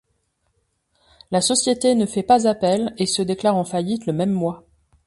La société ne fait pas appel et se déclare en faillite le même mois.